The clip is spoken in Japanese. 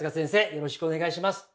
よろしくお願いします。